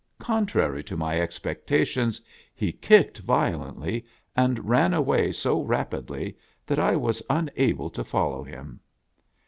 Contrary to my expectations, he kicked violently, and ran way so rapidly that I was unable to follow him.